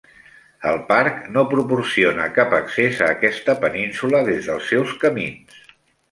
El parc no proporciona cap accés a aquesta península des dels seus camins.